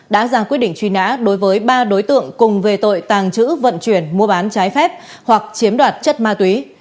đã ra quyết định truy nã đối với ba đối tượng cùng về tội tàng trữ vận chuyển mua bán trái phép hoặc chiếm đoạt chất ma túy